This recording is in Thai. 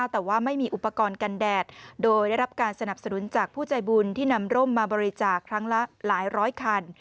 แต่ว่าไม่มีอุปกรณ์กันแดดโดยได้รับการสนับสนุนจากผู้ใจบุญที่นำร่มมาบริจาคครั้งละหลายร้อยคัน